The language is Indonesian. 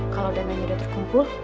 kalau dana udah terkumpul